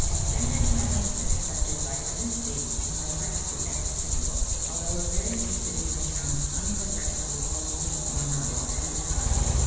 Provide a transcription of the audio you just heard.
Standard Time has been accepted by every State and by practically every city, although a very few cities and towns unprogressively hold to the former or True Time.